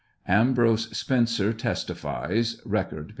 Ambrose Spencer testifies (Record, pp.